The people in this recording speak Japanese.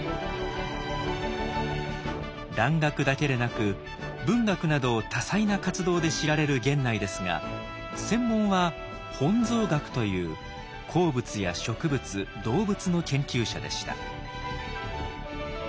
蘭学だけでなく文学など多彩な活動で知られる源内ですが専門は本草学という鉱物や植物動物の研究者でした。